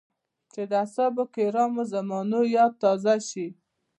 چې د اصحابو کرامو د زمانې ياد تازه شي.